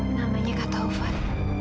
namanya kak tovan